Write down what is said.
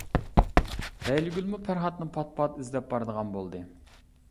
لەيلىگۈلمۇ پەرھاتنى پات-پات ئىزدەپ بارىدىغان بولدى.